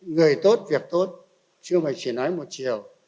người tốt việc tốt chưa phải chỉ nói một chiều